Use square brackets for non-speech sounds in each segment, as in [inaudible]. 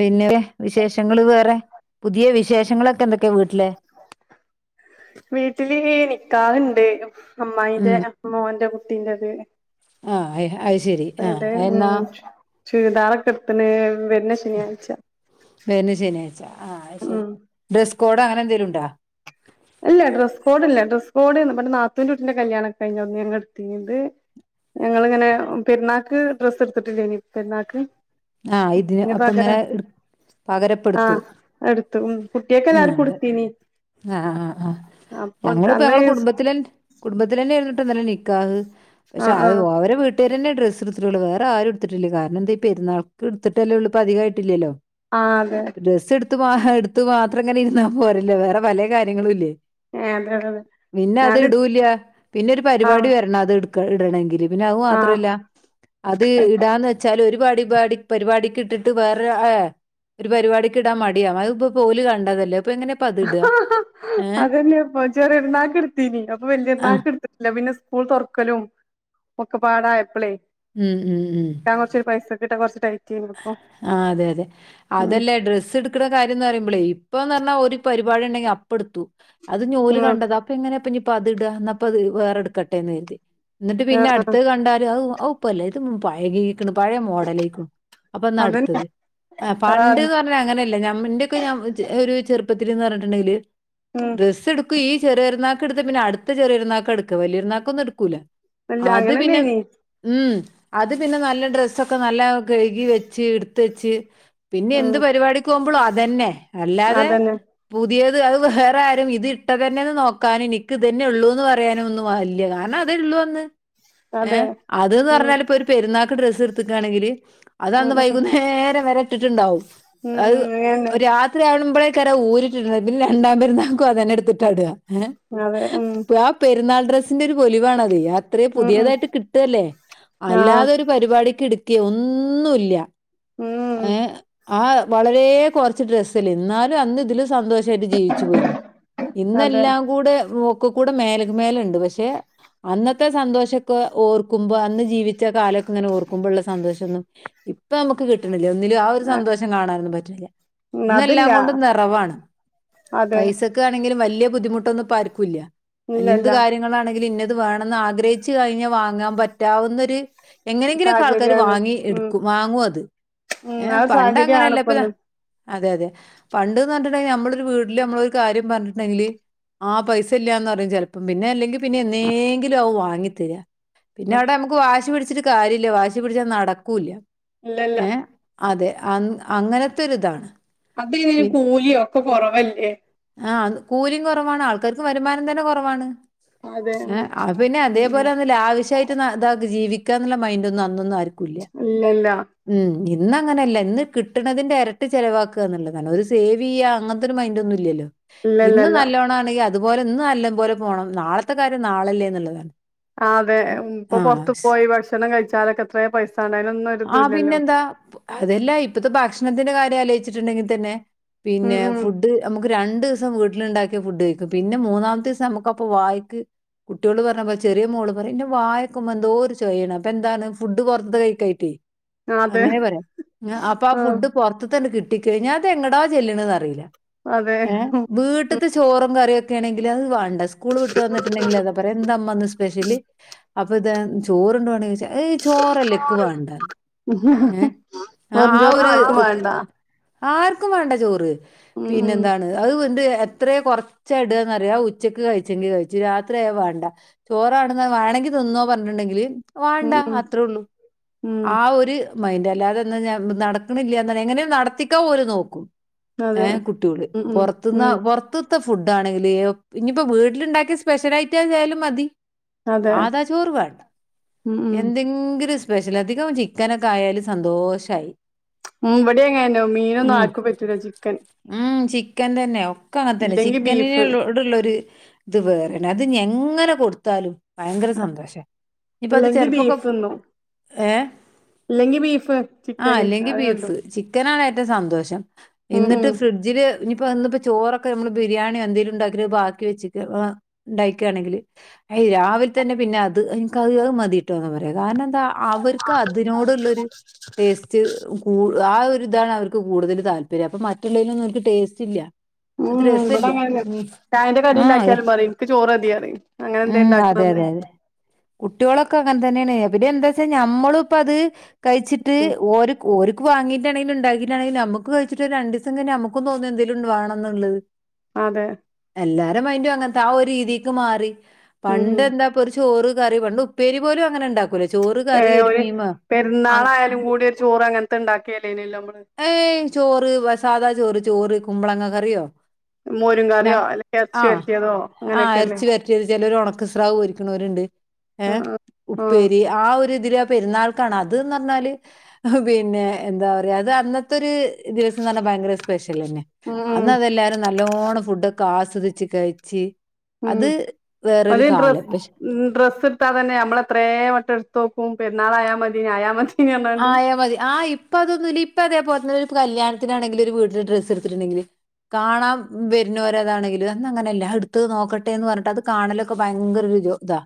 പിന്നെ വിശേഷങ്ങ വേറെ പുതിയ വിശേഷങ്ങളൊക്കെ എന്തൊക്ക വീട്ടില് നിക്കാ ഹ് ണ്ട് അമ്മായിന്റെ ഉം മോന്റെ കുട്ടീൻ്റെത് ആഹ അ അത് ശെരി ആഹ എന്നാ ചരിദാറക്കെടുത്തി ന് വര്ണ ശനിയാഴ്ച ആഹ അത് ശരി ഉം റെസ് കോട അങ്ങനെ എന്തെങ്കലും ഉണ്ടോ ഇല്ല ഡ്രസ് കോഡ്ല്ല ഡ്രസ് കോഡ് നമ്മുടെ നാത്തൂൻന്റെ കുട്ടിൻ്റെ കല്യാണംൊക്കെ കഴിഞ്ഞഞ് അന്ന് ടുത്തിക്ക്ണ് ഞങ്ങിങ്ങനെ പെരുണാൾക്ക് ഡ്രസ്സ് എടുത്തിട്ടില്ല ഇനി പെരുണാൾക്ക് ആ ഇത് അപ്പങ്ങനെ ഇട.. പകരപ്പടത്തു ആഹ് എടുത്തു ഉം കുട്ടിയേക്ക് ന്ഹ എല്ലാർക്കും ഉടുത്തീനി ന്ഹ അ അ അപ്പൊ ഞങ്ങള്പ്പ അന്ന് ഞങ്ങളെ കുടുംബത്തില കുടുംബത്തിലെന്നെ നികാഹ് പക്ഷേ ആഹ് അഹ് ആഹ് അവരെ വീട്ടേരെന്നെ ഡ്രസ്സ്ഡ്ത്തി ട്ടുള്ളു വേറാരും ഇടത്തിട്ടില്ല കാരണം ഇന്തേ പെരുന്നാൾക്ക് ഇടതിട്ടല്ലള്ളൂ ഇപ്പതികയിട്ടില്ലല്ലോ ആ തെ തു മാ ഹാ ഇടത്തു മാത്രങ്ങനെ ഇരുന്നപോരല്ലോ വേറെ പലേ കാര്യങ്ങളുല്ലേ. ഏഹ് അതെ അതെ അതെ പിന്നെത് ഞാന് ഇടുല്യ പിന്നാരു പരിവാടി ആഹ് വരണം അത് ഇടക്ക ഇടനെങ്കിൽ പിന്നാ അഹ് ആഹ് മാത്രല്ല അത് ഇടാന്ന് വെച്ചാൽ ഒരു പഠിപാടി പരിപാടികിട്ടിട്ട് വേറെ ങേ ഒരു പരിപാടിക്കിടാൻ മടിയാണ് അത് പ പ ഓല് കണ്ടതല്ലേ ഇപ്പൊ എങ്ങനെപ്പ അത് ഇടാ? ഏഹ് അതെന്നെ പം ചെറിപെര്ന്നാക്ക് ഇട്തീനി അപ്പം ആഹ് വല്യപെര്ന്നാക് ട്ത്തിട്ടില്ല പിന്നെ സ് കൂള് തൊറക്കലും ഒക്കപ്പാടയപ്പളെ ഉം കിട്ടാൻ [unintelligible] അ അതെയതെ ഉം അതല്ല ഡ്രസ്സ്ട്ക്ക്ണ കാര്യന്ന് പറയുമ്പളേ ഇപ്പം ന്നറിഞ്ഞാ ഒരു പരിപാടിണ്ടെങ്കില് അപ്പട്ത്തു അത്ഞ്ഞോല് ഉം കണ്ടതാ അപ്പൊ എങ്ങനെ പ്പെനി പ്പത്ടാ ന്നാപ്പത് വേറെ എടക്കട്ടെന്ന് കരുതി ഇന്നട്ട് പിന്നെ ആഹ് അടുത്തത് കണ്ടാല് അത് അവു പലതും പയകിക്ക്ണ് പയേ മോഡലേയ്ക്കും അപ്പന്ന അതന്നെ അടുത്തത് അ ആഹ് പണ്ട്ന്നപറഞ്ഞാൽ അങ്ങനെല്ല ഞമ ഇന്റോകെ ഒരു ചെറു പ്പത്തില്ന്ന് പറഞ്ട്ട്ണ്ടെകില് ഉം ഡ്രസ്സ്‌ ഇട്ക്കും ഈ ചെറിരുന്നാക് ഇടത്ത പിന്നെ അട്ത്ത ചെറിരുന്നാക്കാ ഇട്ക്ക വല്യര്ന്നാക്കൊന്നും ഇട്ക്കൂല ഇല്ല അത് പിന്നെ അങ്ങനെന്നേനി ഉം അത് പിന്നെ നല്ല ഡ്രസ്സൊക്കെ നല്ല കഴു കി വെച്ച് ഇട്ത്തെച്ച് പിന്നെ എന്ത് ആഹ് പരിപാടികോബ്ലും അതെന്നെ അല്ലാതെ അതന്നെ പു തേത് അത് വേറാരും ഇതിട്ടതെന്നെ നോക്കാന് ഇന്ക്കിതന്നെള്ളൂന്ന് പറയാനും വല്യ കാരണം ഇതുള്ളു അന്ന് ഏ അതെ അതെന്ന് ഉം പറഞ്ഞാൽ ഇപ്പൊ ഒരു പെരുന്നാക് ഡ്രസ്സ് ഇട്ത്ത്ക്കാണെങ്കില് അത ഉം അന്ന് ഉം വൈകുന്നേരം വരെ ഇട്ട്ട്ട്ണ്ടാവും ഉം അത് ഉം അങ്ങനെന്നെ രാത്രിയാവുമ്പളേ ക്കാരം ഊരിട്ടിണ്ടാവ പിന്നെ രണ്ടാം പെരുന്നാകും അതെന്നെ ഇട്ത്തിട്ട ഇട ങേ അതെ ഉം ആ പെരുന്നാൾ ഡ്രെസ്സിന്റെ ഒരു പൊലിവാണത് [unintelligible] ത്രെ ഉം ഉം പുതിയതായിട്ട് കിട്ടല്ലേ ആഹ് അല്ലാതെ ഒരു പരിപാടിക്ക് ട്ക്കെ ഒന്നുല്ല ഉം എ ആ വളരേ കൊറച്ച് ഡ്രെസ്സല്ലേ ന്നാലും ഇതില് സന്തോഷ ഷായിട്ട് ജീവിച്ച് പോയിന് അതെ ഇന്നെല്ലങ്കുടെ മുക്കിക്കൂടെ മേലക് മേലേണ്ട് പക്ഷേ അന്നത്തെ സന്തോശക്കേ ഓർക്കുമ്പ അന്ന് ജീവിച്ച കാലം കങ്ങന ഓർക്കുമ്പള്ള സന്തോഷന്നും.. ഇപ്പമ്മക്ക് കിട്ടിണില്ല ഒന്നിലും ആ ഒരു സന്തോഷം കാണാനും പറ്റില്ല ഇന്നെല്ലാം അതില്ല കൊണ്ടും നെറവാണ് അതെ പൈസക്കാണെങ്കിലും വല്യ ബുദ്ധിമുട്ടൊന്നും പ്പാർക്കുല്ല എന്ത് ഇല്ലല്ല കാര്യങ്ങളാണെങ്കിലും ഇന്നത് ത് വേണംന്ന് ആഗ്രഹിച്ച് കഴിഞ്ഞവാങ്ങ പറ്റാവുന്നൊര്എങ്ങനെങ്ങിലൊക്കെ സാഹചര്യാണ് വാങ്ങി ഇട്ക് ഉം വാങ്ങു അത് ഉം ങേ ആ ഒരു സാഹചര്യാണ് പണ്ടങ്ങനല്ല ഇപ്പത ഇപ്പൊന്ന് അതെതെ പണ്ട്ന്ന് പർഞ്ട്ടണ്ടെങ്കില് നമ്മളൊരു വീട്ടില് നമ്മളൊരു കാര്യം പറഞ്ഞിട്ട്ണ്ടെങ്കില് ആ പൈസ ഇല്ലാന്നറിം ചെൽപ്പ പിന്നെ ഏല്ലെങ്കി പിന്നെ എന്നെങ്കിലാവും വാങ്ങി തരാ അതെ പിന്നാവുടാ നമുക്ക് വാശി പിടിച്ചിട്ടു കാര്യല്ല വാശി പിടിചാ നടക്കുല്ല ഇല്ലല്ല അതെ അന് അങ്ങനെത്തുരുതാണ് അത് ഇതിന് പി കൂലിയും ഒക്കെ കൊറവല്ലേ അ കൂലിം കൊറവാണ് [unintelligible] വരുമാനം തന്നെ കൊറവാണ് അതെ ഉം എ അത് പിന്നെ അതെ ഉം പോലെ ലാവിഷായിട്ട് നാ ജീവിക്കാന്നുള്ള മൈന്റൊന്നും അന്നൊന്നും ആർക്കും ക്കുല്ല ഇല്ലാ ഇന്നങ്ങനെല്ല ഇന്ന് കിട്ടണത്തിന്റെ എരട്ടി ചെലവാക്കന്നുള്ളതാണ് ഒരു സേവ്യ്യ അങ്ങനത്തൊരു മൈന്റൊന്നുല്ലല്ലോ ഇന്ന് ഇല്ലല്ലല്ല നല്ലോണണെങ്കി അത്പോലെ ഇന്നല്ലമ്പോലെ പോണം നാളത്തെ കാര്യം നാളല്ലേന്ന്ള്ളതാണ് അതെ ഇപ്പ പൊർത്തു പോയി ഭക്ഷണം കഴിച്ചാലൊക്കെത്രെ പൈസ ആ പിന്നെന്താ അതെല്ലാ ഇപ്പത്തെ ഭക്ഷണത്തിന്റെ കാര്യം ആലോയിച്ചിട്ടുണ്ടെങ്കി തന്നെ ഉം പിന്നെ ഫുഡ് ഉം നമുക്ക് രണ്ട് വസം വീട്ടിലുണ്ടാക്കിയ ഫുഡ് കഴിക്ക പിന്നെ മൂന്നാമത്തെ ദിവസസം നമുക്കപ്പൊ വായ്ക്ക് കുട്ട്യോള് പറഞ്ഞ ചെറിയ മോള് പറയും ന്റെ വായക്ക്മ്മ എന്തോ ഒരു ചൊയാണ് അപ്പൊ എന്താണ് ഫുഡ് പൊറത്ത്ന്ന് കി ട്ടി അതെ അങ്ങനെ പറയാ അപ്പൊ ആ ഫുഡ് പൊറത്ത് ത്തണ്ട് കി ട്ടി കയ്ഞാ അത് എങ്ങടാ ചെല്ല്ണെന്ന്റിയില്ല അതെ ഏ വീട്ട്ത്തെ ചോറും കറീം ക്കേണെങ്കി അത് വാണ്ട സ്കൂൾ വിട്ട് വന്ന്ട്ട്ണ്ടെങ്കി അതാ പറയാ എന്ത മ്മ ന്ന് സ്പെഷ്യല് അപ്പ ഇ ചോറുണ്ട് വാണോയ് ച്ചാ ഏയ് ചോറല്ലെ ക്ക് വാണ്ട ണ്ട ഏ ആ ആ വെറുംചോറൊന്നും ഒരു ആർക്കും വേണ്ട ആർക്കും വേണ്ട ചോറ് ഉം പിന്നെ ഉം എന്താണ് അത് വന്ത് എത്രയ കൊറച്ച ഇടുകറിയ ഉച്ചക്ക് കഴിച്ചെങ്കിൽ കഴിച്ചു രാത്രിയയാ വേണ്ട ചോറാ വേണ ന്ന പറഞ്ഞുണ്ടെങ്കിൽ വേണ്ട ഉം അത്രേ ഉം ഉള്ളൂ ഉം ആ ഒരു മയിന്ന്റെറ അല്ലാതെന്ന ഞ നടക്കണില്ല എങ്ങന നടത്തിക്കാ പോലും നോക്കും അതെ ഏഹ കുട്ടികള് ഉം ഉം പുറത്തുന്ന ഉം പുറത്ത ഫുഡ് ആണെങ്കിൽേ ഇനിയിപ്പോൾ വീട്ടിലുണ്ടാക്കിയ സ്പെഷ്യൽ ഐറ്റാസ് ആായാലും മതി അതെ ആതാ ചോറുകാട്ട ഉം ഉം എന്തെങ്കിലും ച്ചിലധികം ചിക്കനൊക്കെ ആയാലും സന്തോഷമായി ഉ ഇവിടെ എങ്ങന്നോ മീനൊന്നും ആർക്കും പറ്റൂല ചിക്കൻ ഉം ചിക്കൻ തന്നെ ഒക്കെ അങ്ങനെ തന്നെ ഇല്ലെങ്കി ബീഫ് ചിക്കനിനോടുള്ളൊരു ഇത് വേറെന്നെ അത് എങ്ങനെ കൊടുത്താലും ഭയങ്കര സന്തോഷം ഇപ്പ അത് ഇല്ലെങ്കി ചെറുപ്പൊക്കെ ബീഫ് ഏഹർ തീഫ് ആഹ അല്ലെങ്കിൽ ബീഫ് ചിക്കനാണ് ഏറ്റവും സന്തോഷം ഉം എന്നിട്ട് ഉം ഫ്രിഡ്ജില് ഇനിപ്പോ ഇ ചോറൊക്കെ നമ്മള് ബിരിയാണി എന്തെങ്കലും ഉണ്ടാക്ക ബാക്കി വെ ഉണ്ടുകയാണെങ്കിൽ അ രാവില തന്നെ പിന്നെ അത് എനക്ക്ത്ത് മതിയിട്ടോ പറയാം കാരണം എന്താ അവർക്ക് അതിനോടുള്ളരു ടേസ്റ്റ് കൂ ആ ഒരുരി ഇതാണ് അവർക്ക് കൂടുതൽ താല്പര്യം അപ്പൊ മറ്റുള്ളേലൊന്നും അവർക്ക് ടേസ്റ്റ് ഇല്ല ഉ അത് രസമില്ല മീ ഇവിടെങ്ങഞൻന്റെ കട ആഹ് ഉണ്ടാക്കിയാലും പറയും എനിക്ക് ചോറ്തി അറി അങ്ങനെ എന്താ ഉം ഉണ്ടാക്കുന്നത് അതെ അതെ കു കുട്ടികളൊക്കെ അങ്ങനെ തന്നെയാണ് എവിടെ എന്താ വെച്ചാൽ നമ്മള ഇപ്പ അത് കഴിച്ചിട്ട് ഉം ന വാങ്ങീട്ടാണെങ്കില ഉണ്ടിയിട്ടാെങ്ക നമക്ക് കഴിച്ചിട്ട് രണ്ട ദിവസം കി നമുും തോന്ന എെങ്കിലും വണണംന്നുള്ളത് അതെ എല്ലാരും അയി അങ്ങനത്തെ ആ രീതിക്ക് മാറി ഉം പണ്ട് ഉം എന്താ ഒരു ചോറ് കറിവുണ്ട് ഉപ്പേരി പോലും അങ്ങനെ ഉണ്ടാക്കും ഒരു പെരുന്നാളായാലും കൂടി ഒരു ചോറ് അങ്ങനത്തെ ഇണ്ടാക്കിയല്ലേ ഇനല്ല നമ്മള് ഏയ് ചോറ് സാധാ ചോറ് ചോറ് കുമ്പളങ്ങ കറിയോ മോരും ഞാ കറിയോ അല്ലെങ്കിൽ ഇറച്ചി ആഹ് വരട്ടിയതോ ആഹ അങ്ങനെയൊക്കെല്ലേ അരച്ചു പറ്റിയത് ചിലർ ഉണക്ക സ്രാവ് പരിക്കുന്നവരുണ്ട് ആഹ ആ ആഹ ആ ഒരു ഇതില പെരുന്നാൾക്കാണ് അത്ന്ന് പറഞ്ഞാല് പിന്നെ എന്താ പറയാ അത് അന്നത്തെ ഒരു ദിവസം ഭയങ്കര സ്പെ്യ ന്നെ ഉം അന്ന് ഉം അതെല്ലാരും നല്ലോണ്ണം ഫുഡൊക്കെ ആസ്വദിച്ച് കഴിച്ചച്ച് ഉം അലിയ ഡ്രസ്സ് പക്ഷെ ഡ്രസ്സ് ഇടുട്ടാതന്നെ നമ്മളെത്രയും വ എടുത്തോക്കും പെുന്നാൾായാ മതിന് ആയാാ മതി പറഞ്ഞാണ്ട് ആയവതി ആ ഇപ്പൊ അതൊന്നുമല്ല ഇപ്പ അതേപലന്ന കല്യാണത്തിാണെങ്കില ഒരു വീട്ടില് ഡ്രസ്സ്ടുട്ടുണ്ടെങ്കില് കാണൻ വരുന്നവർതാണെങ്കും അന്ന് അങ്ങനെയല്ല അടുത്ത് നോക്കട്ടെ എന്ന് പറഞ്ഞിട്ട് അത് കാണലൊക്കെ ഭയങ്കര ഇതാ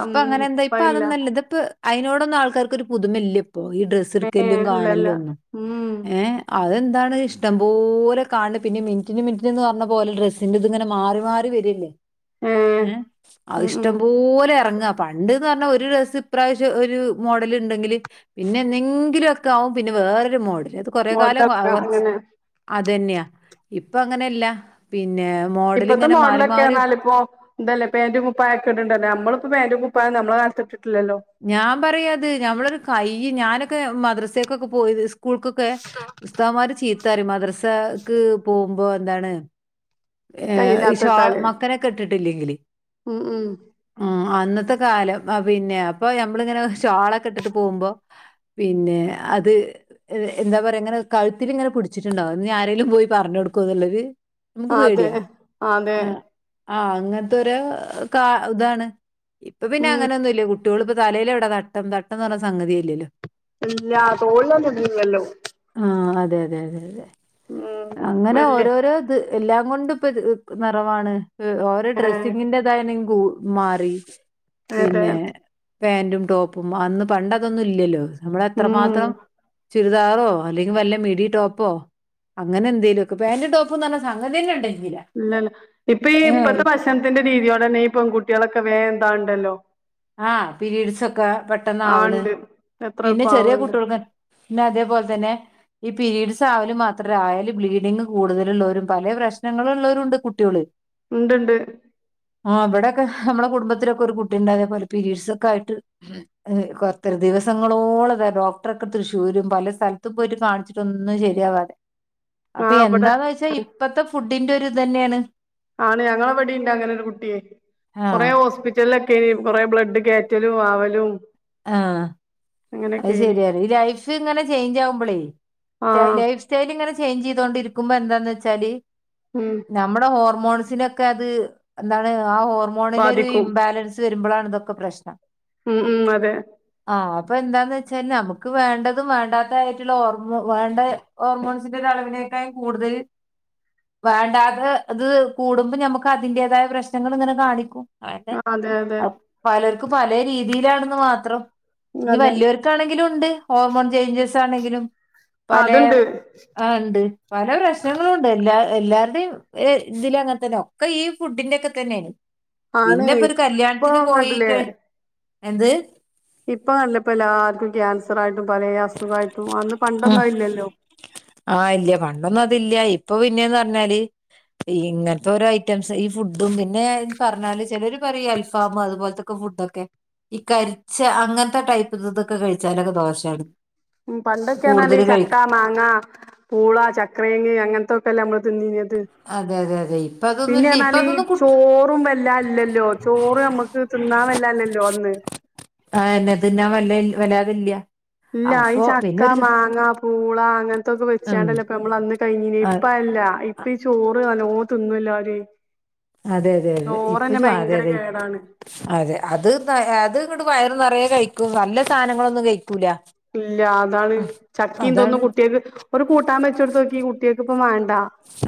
ഇപ്പൊ അങ്ങനെ എന്താ ഇപ്പൊ അതൊന്നല്ല ഇത് ഇപ്പ അതിനോടൊന്നും ആൾക്കാർക്ക്ൊ ഒരു പുതുമെല്യല് പോ ഈ ഡ്രസ്സ് എടുക്കല്ലും ഏഹ് ഇല്ല കാണല്ല ഇല്ല. ഒന്നന്ന് ഉം. ഏ അതെ എന്താണ് ഇഷ്ടം പോലെണ പിന്നെ മിനിറ്റിന് മിനിറ്റിന്ന് പറഞ്ഞ പോലെ ഡ്രെസിറ ഇത് ഇങ്ങനെ മാറി മാറി വരില്ലേ ഏഹ് ഏ അ ഉം ഉം ഇഷ്ടംപോലെ ഇറങ്ങാ പണ്ട്ന്ന് പറഞ്ഞാ ഒരു ഡ്രസ്സ് ഇപ്രാവശ്യം ഒരു മോഡല് ഉണ്ടെങ്കില് പിന്നെ എന്തെങ്കിലും ഒക്കെ ആകും പിന്നെ വേറൊരു മോഡില് അത് കൊറെ കാലം മോഡലൊക്കെ കുറച്ച് അങ്ങനെ അ തന്നെയാ ഇപ്പ അങ്ങനെയല്ല പി ഇപ്പഴത്തെ മോഡല ഒക്കെ പറഞ്ഞാാല ഇപ്പോ ഇന്തല്ലേ പേന്റ്ുപ്പ ആക്കെണ്ടല്ലേ നമ്മളിപ്പോ പേന്റുപ്പ നമ്മള നഷ്ടപ്പെട്ട ഞാൻ പറയാത് ഞമ്മളൊരു കൈ ഞാനൊക്കെ മദ്രസക്കൊക്കെ പോയിത് സ്കൂൾക്കൊക്കെ പുസ്തകന്മാര് ചീത്താറി മദ്രസക്ക് പോകുമ്പോ എന്താണ് ഏ കയ്യില്ലാത്ത ഷാൾ ഇട്ടാല് മക്കനെക്കെ ഇട്ടിട്ടില്ലെങ്കില് ഉം ഉം ആ അന്നത്തെ കാലം ആ പിന്നെ അപ്പൊ ഞമ്മളിങ്ങനെ ഷാളൊക്കെട്ട് ട്ട് പോകുമ്പോ പിന്നെ അത് എന്താ പറയാ ങ്ങനെ കഴുത്തില് ങ്ങനെ പിടിച്ചിട്ട്ണ്ടാവും ഞ്ഞി ആരെലും പോയി പർഞ് കൊട്ക്കോ ന്ന്ള്ളത് നമുക്ക് അതെ പേടിയാ അതെ ആ ആ അങ്ങൻത്തൊരു കാ ഇതാണ് ഇപ്പൊ പിന്നെ ഉം അങ്ങനൊന്നുല്ല കു ട്ട്യോള്പ്പോ തലേലെവടെ തട്ടം തട്ടന്ന് പറഞ്ഞ സംഗത്യേല്ലല്ലോ ഇല്ല തോളിലൊന്നും ഇടില്ലല്ലോ ആ അതെ അതെ അതെ ഉം അങ്ങനെ വല്യ ഓരോരോത് എല്ലാങൊണ്ടും ഇപ്പൊ നിറവാണ് ഓരോ ഏഹ് ഡ്രെസ്സിങ്ങിന്റെതായനെ കൂ മാറി അതെ പിന്നെ പാന്റും ടോപ്പും അന്ന് പണ്ടതൊന്നും ഇല്ലല്ലോ ഉം നമ്മളെത്രമാത്രം ച് ചുരിദാറോ അല്ലെങ്കി വല്ല മിടി ടോപ്പോ അങ്ങനെന്തെലൊക്കെ പാൻ്റും ടോപ്പു ന്നർഞ്ഞ അങ്ങനെ നെണ്ടെയ് ഇല്ലല്ല ഇപ്പൊ ഈ ഇപ്പത്തെ ഭക്ഷനത്തിന്റെ രീതിയോടെന്നെ ഈ പെൺകുട്ടികളൊക്കെ വേന്താവ്ണ്ടല്ലോ. ആഹ് പിരീഡ്സൊക്കെ ആ പെട്ടെന്നാവ്ണ്. ഇണ്ട് എത്ര പിന്നെ ചെറ്യേ പാവണ്ട് കുട്ട്യൾക്കൻ പിന്നെ അതേപോൽതന്നെ ഈ പീരീഡ്സ് ആവല് മാത്രല്ല ആയാല് ബ്ലീഡിങ് കൂടുതല്ള്ളോരും പലേ പ്രശ്നങ്ങള് ള്ളോരുണ്ട് കുട്ട്യോള്. ഇണ്ട്ണ്ട്. ആഹ് ഇബടെക്കെ അമ്മളെ കുടുംബത്തിലൊക്കെ ഒര് കുട്ടിണ്ടതേപൊലെ പരീഡ്സൊക്കായിട്ട് ഉം പ [unintelligible] ദിവസങ്ങളോളം [unintelligible] ഡോക്ടറൊക്കെ തൃശ്ശൂരും പല സ്ഥ ല്ത്ത് പോയിട്ട് കാണിച്ചിട്ടൊന്നും ശെര്യാവാതെ ആ അപ്പൊ ഇവിടെ എന്താന്നോച്ചാ ഇപ്പത്തെ ഫുഡിന്റെ ഒര് ഇതെന്നെണ്. ആണ് ഞങ്ങളെ വടീൻ്റങ്ങനൊരു കുട്ട്യേ കൊറെ ആഹ് ഹോസ്പിറ്റൽ ലൊ ക്കെ കൊറെ ബ്ലഡ് കേറ്റലും ആവലും ആഹ് അത് അങ്ങനെയൊക്കെനി ശെര്യാ ഈ ലൈഫ് ങ്ങനെ ചെയ്ഞ്ചാവുമ്പളേ ആ റ്റൈ ലൈഫ് സ്റ്റൈല്ങ്ങനെ ചെയ്ഞ്ചെയ്തോണ്ടിരിക്കുമ്പോ എന്താന്ന് വെച്ചാല് ഉം നമ്മടെ ഹോർമോ സിനൊക്കത് എന്താണ് ആ ഹോർമോണിനൊരു ബാധിക്കും ഇംബാലൻസ് വെരുമ്പളാണ് ഇതൊക്കെ പ്രശ്നം. ഉം ഉം അതെ പ്പൊ എന്താന്ന് വെച്ചാൽ നമക്ക് വേണ്ടതും വേണ്ടാത്തതായിട്ട്ള്ള ഹോർമോ വേണ്ട ഹോർമോൺസിൻ്റൊരളവിന് പിന്നത് കൂടുതല് വേണ്ടാതെ ത് കൂടുമ്പോ ഞമ്മക്ക് അതിന്റേതായ പ്രശ്നങ്ങള്ങ്ങനെ കാണിക്കും. ആഹ് അതെ യതെ ക്ക് പലേ രീതിയിലാണെന്ന് മാത്രം ഇനി അതെ വെല്യോര്ക്കാണെങ്കിലുണ്ട്. ഹോർമോൺ ചെയ്ഞ്ചസാണെങ്കിലും പലേ അതുണ്ട് ആ ണ്ട് പല പ്രശ്നങ്ങളുണ്ട് എല്ലാ എല്ലാരുടീം എ ഇതിലങ്ങൻതന്നെ ഒക്കെ ഈ ഫുഡിന്റൊക്കെത്തന്നെ ആണ് പിന്നെപ്പൊരു ഇപ്പൊ കല്യാണത്തിന് കണ്ടില്ലേ പോയിക്കഴ് എന്ത്? ഇപ്പൊ നല്ലപ്പൊ എല്ലാർക്കും ക്യാൻസറായി പലയസുഖായിട്ടും അന്ന് ഉം. പണ്ടൊന്നും അയില്ലല്ലോ ആ ഇല്ല പണ്ടൊന്നും അതില്ല ഇപ്പൊ പിന്നെന്ന് പറഞ്ഞാല് ഇങ്ങനത്തെ ഒരു ഐറ്റംസ് ഈ ഫുഡും പിന്നെ പറഞ്ഞാല് ചിലര് പറയും അൽഫാമും അതുപോലത്തക്കെ ഫ് ഫുഡൊക്കെ ഈ കരിച്ച അങ്ങനത്തെ ടൈപ്പ് ഇതൊക്കെ കഴിച്ചാലൊക്കെ ദോഷാണ് പണ്ടൊക്കെന്നറഞ്ഞാലീ ചക്ക മാങ്ങ പൂള ചക്രേ അങ്ങൻതൊക്കെല്ലേ നമ്മള് തിന്നീന്നത് അതെ അതെ അതെ ഇപ്പൊ അതൊന്നും ഇല്ല ഇപ്പൊ പിന്നെറഞാല് ഈ അതൊന്നും ചോറും വല്ലാ ഇല്ലല്ലോ ചോറ് അമ്മക്ക് തിന്നാൻ വല്ലാ ഇല്ലല്ലോ അന്ന് ആ എന്നെ തിന്നാൻ വല്ല വല്ലാതില്ല ഇല്ല ഈ അപ്പൊ പിന്നെ ചക്ക ഒരു ചു- മാങ്ങ പൂള അങ്ങൻ തൊക്കെ ഉം വെച്ചാണ്ടല്ലേ നമ്മളന്ന് കയിഞ്ഞീ ആ, ഇപ്പൊ അയല്ല ഇപ്പ ഈ ചോ പ്പത് നല്ലോ തിന്നൂ എല്ലാരെ അതെ അതെ അതെ ഇപ്പും അതെ അതെ കേടാണ് അതെ അത് അത് ഇട്ട് വയറ് നിറയെ കഴിക്കും നല്ല സാധനങ്ങളൊന്നും കഴിക്കൂല ഇല്ല അതാണ് ഉം ചക്കീ തോന്നും അതാണ് കുട്ടികക്ക് ഒരു കൂട്ടാൻ വെച്ച കൊടുത്ത് നോക്കിഈ കുട്ടികൾക്ക് ഇപ്പ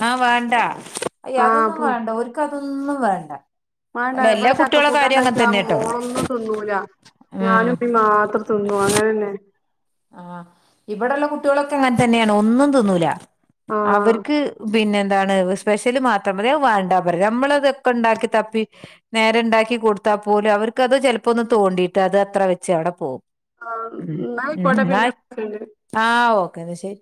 ആ വേണ്ട അയ്യ ആഹ് അതൊന്നും വേണ്ട ഒരിക്കും അതൊന്നും വേണ്ട മണ്ട അല്ല എല്ലാ ഇവിടെ കുട്ടികളെ ചക്കക്കൂട്ട കാര്യം അങ്ങനെ ഉണ്ടാക്കിയാ തന്നെ കേട്ടോ മോളൊന്നും തിന്നൂല ഉം ഞാനും ീ മാത്രം തിന്നു അങ്ങനെ തന്നെ ആഹ ഇവിടെള്ള കുട്ടികളൊക്കെ അങ്ങനെ തന്നെയാണ് ഒന്നും തന്നൂല ആഹ് അവർക്ക് പിന്നെ എന്താണ് സ്പെഷ്യല് മാത്രംതി വാണ്ടാ പറ നമ്മളതൊക്കെ ഉണ്ടാക്കി തപ്പി നേരെണ്ടാക്കി കൊടുത്താൽ പോലും അവർക്ക്ത് ചിലപ്പോ ഒന്ന് തോണ്ടിയിട്ട് അത് അത്ര വെച്ച് അവിടെ പോകും ആ മ ഉ ആ ഓക്കേന്ന ശരി